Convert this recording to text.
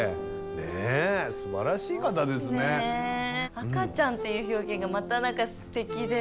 赤ちゃんっていう表現がまた何かすてきで。